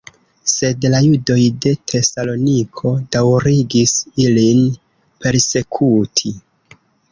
Sed la judoj de Tesaloniko daŭrigis ilin persekuti.